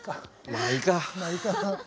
まあいいかな。